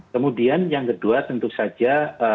kemudian yang kedua tentu saja